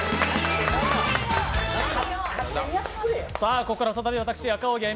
ここからは再び、私、赤荻歩が